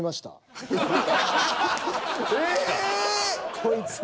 こいつ。